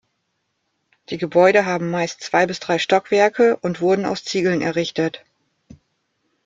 Die Gebäude haben meist zwei bis drei Stockwerke und wurden aus Ziegeln errichtet.